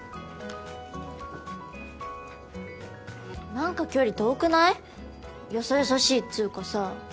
何か距離遠くない？よそよそしいっつうかさ。